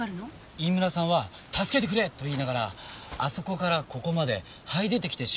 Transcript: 飯村さんは助けてくれ！と言いながらあそこからここまで這い出てきて死亡したそうです。